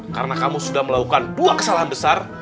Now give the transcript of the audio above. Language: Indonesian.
karena kamu sudah melakukan dua kesalahan besar